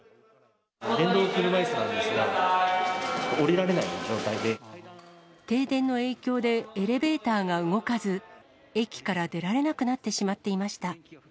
電動車いすなんですが、停電の影響で、エレベーターが動かず、駅から出られなくなってしまっていました。